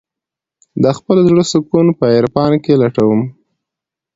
د خپل زړه سکون په عرفان کې لټوم.